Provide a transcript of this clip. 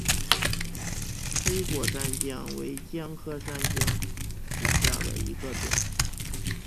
黑果山姜为姜科山姜属下的一个种。